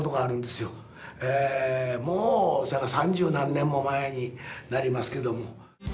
もうそやから三十何年も前になりますけども。